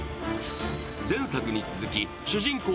前作に続き主人公・